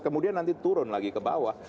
kemudian nanti turun lagi ke bawah